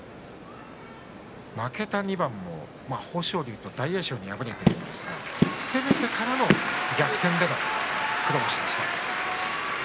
負けた２番も豊昇龍と大栄翔に敗れましたが攻めてからの逆転での黒星でした。